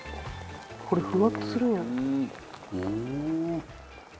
これふわっとするんや。